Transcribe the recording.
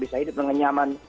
bisa hidup dengan nyaman